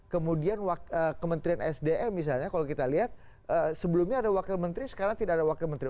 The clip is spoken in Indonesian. kemudian kementerian sdm misalnya kalau kita lihat sebelumnya ada wakil menteri sekarang tidak ada wakil menteri